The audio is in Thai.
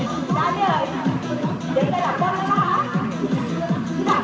สวัสดีค่ะผมวรรดิเขินร้านนี้เชิงครับ